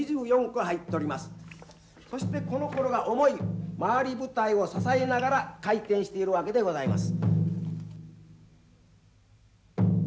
そしてこのコロが重い回り舞台を支えながら回転しているわけでございます。